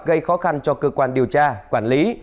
gây khó khăn cho cơ quan điều tra quản lý